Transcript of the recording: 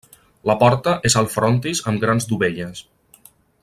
La porta és al frontis amb grans dovelles.